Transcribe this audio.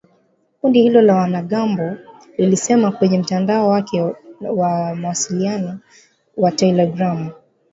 Kundi hilo la wanamgambo lilisema kwenye mtandao wake wa mawasiliano wa telegramu.